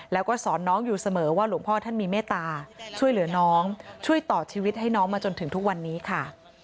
แล้วก็สอนน้องอยู่เสมอว่าหลวงพ่อท่านมีเมตตาช่วยเหลือน้องช่วยต่อชีวิตให้น้องมาจนถึงทุกวันนี้ค่ะ